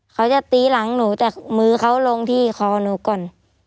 เขาจะตีหลังหนูแต่มือเขาลงที่คอหนูก่อน